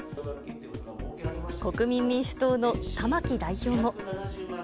国民民主党の玉木代表も。